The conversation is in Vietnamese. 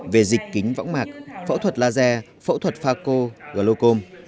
về dịch kính võng mạc phẫu thuật laser phẫu thuật pha co glucom